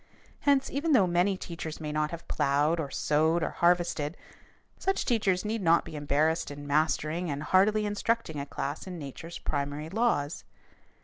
Hence, even though many teachers may not have plowed or sowed or harvested, such teachers need not be embarrassed in mastering and heartily instructing a class in nature's primary laws.